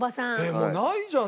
もうないじゃん！